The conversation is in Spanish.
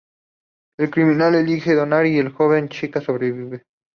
El criminal elige donar y la joven chica sobrevive.